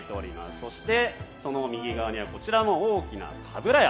そして、その右側にはこちらも大きな鏑矢。